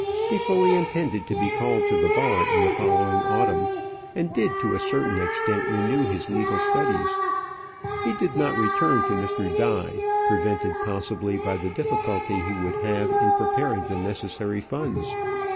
He fully intended to be called to the bar in the following autumn, and did, to a certain extent, renew his legal studies. He did not return to Mr. Die, prevented possibly by the difficulty he would have in preparing the necessary funds.